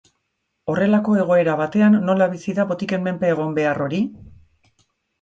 Horrelako egoera batean nola bizi da botiken menpe egon behar hori?